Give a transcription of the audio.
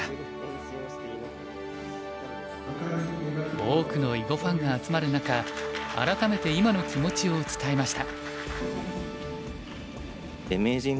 多くの囲碁ファンが集まる中改めて今の気持ちを伝えました。